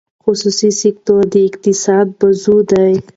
خصوصي سکتور د اقتصاد بازو دی.